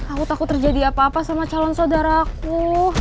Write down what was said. aku takut terjadi apa apa sama calon sodara aku